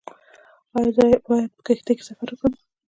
ایا زه باید په کښتۍ کې سفر وکړم؟